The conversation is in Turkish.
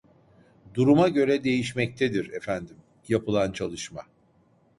Duruma göre değişmektedir efendim yapılan çalışma